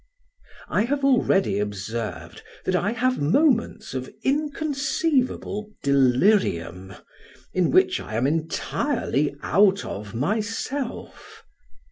I have already observed that I have moments of inconceivable delirium, in which I am entirely out of myself.